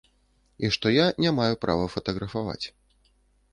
І што я не маю права фатаграфаваць.